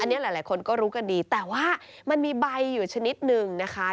อันนี้หลายคนก็รู้กันดีแต่ว่ามันมีใบอยู่ชนิดหนึ่งนะคะ